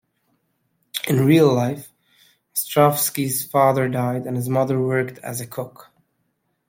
In real life, Ostrovsky's father died, and his mother worked as a cook.